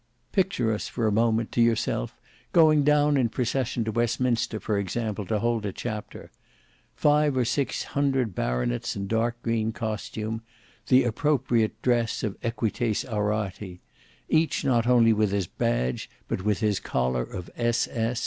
"Picture us for a moment, to yourself going down in procession to Westminster for example to hold a chapter. Five or six hundred baronets in dark green costume,—the appropriate dress of equites aurati; each not only with his badge, but with his collar of S.S.